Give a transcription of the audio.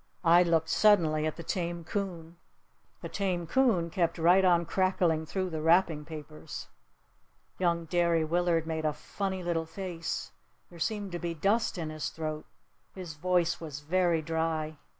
I looked suddenly at the tame coon. The tame coon kept right on crackling through the wrapping papers. Young Derry Willard made a funny little face. There seemed to be dust in his throat. His voice was very dry.